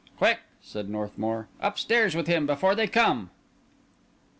"Quick," said Northmour; "upstairs with him before they come."